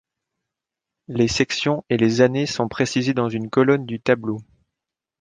Les sections et les années sont précisées dans une colonne du tableau.